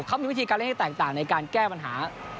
เขามีวิธีการเล่นที่แตกต่างในการแก้ปัญหา